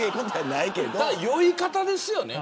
酔い方ですよね。